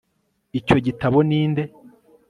icyo gitabo ni nde